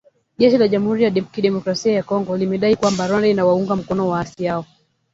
Jeshi la Jamhuri ya kidemokrasia ya Kongo limedai kwamba Rwanda inawaunga mkono waasi hao.